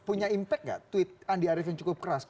punya impact gak tweet andi arief yang cukup keras